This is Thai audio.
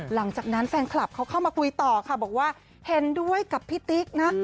หลังจากนั้นแฟนคลับเขาเข้ามาคุยต่อค่ะบอกว่าเห็นด้วยกับพี่ติ๊กนะ